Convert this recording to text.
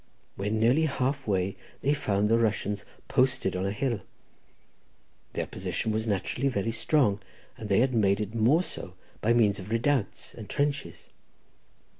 When nearly half way, they found the Russians posted on a hill. Their position was naturally very strong, and they had made it more so by means of redoubts and trenches.